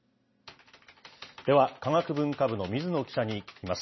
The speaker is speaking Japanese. では科学文化部の水野記者に聞きます。